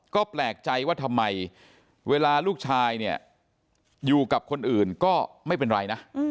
ก็แปลกใจว่าทำไมเวลาลูกชายเนี่ยอยู่กับคนอื่นก็ไม่เป็นไรนะ